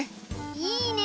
いいね！